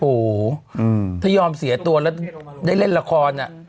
โอ้โหถ้ายอมเสียตัวแล้วได้เล่นละคร